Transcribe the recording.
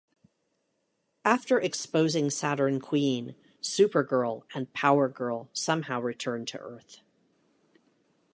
After exposing Saturn Queen, Supergirl and Power Girl somehow return to Earth.